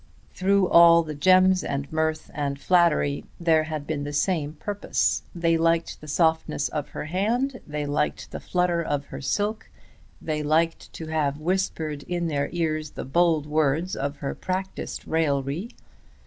Through all the gems and mirth and flattery there had been the same purpose. They liked the softness of her hand, they liked the flutter of her silk, they liked to have whispered in their ears the bold words of her practised raillery.